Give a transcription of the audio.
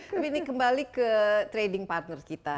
tapi ini kembali ke trading partner kita